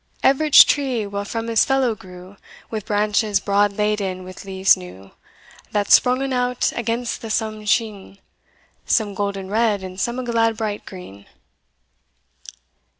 Everich tree well from his fellow grew, With branches broad laden with leaves new, That sprongen out against the sonne sheene, Some golden red and some a glad bright green.